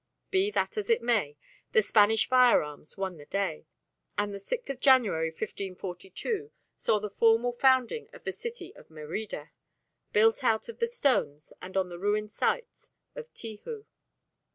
Be that as it may, the Spanish firearms won the day, and the 6th January, 1542, saw the formal founding of the city of Merida, built out of the stones and on the ruined site of Tihoo.